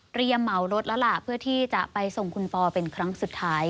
เตรียมเหมารถละละเพื่อที่จะไปส่งคุณปเป็นครั้งสุดท้าย